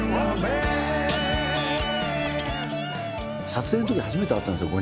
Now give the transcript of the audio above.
撮影のとき初めて会ったんですよ